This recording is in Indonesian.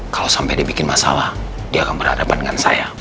kalau sampai dia bikin masalah dia akan berhadapan dengan saya